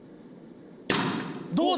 どうだ？